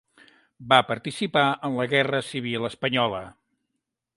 Va participar en la Guerra Civil Espanyola.